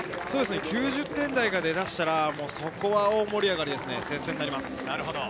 ９０点台が出だしたら、そこは大盛り上がりですね。